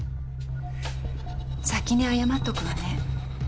先に謝っとくわね。